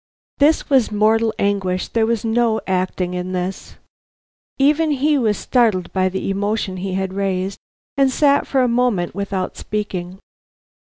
This was mortal anguish; there was no acting in this. Even he was startled by the emotion he had raised, and sat for a moment without speaking.